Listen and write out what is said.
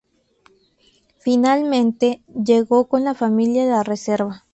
Finalmente, llegó con la familia a la reserva.